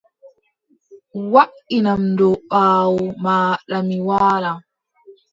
Waʼinam dow ɓaawo maaɗa mi waala.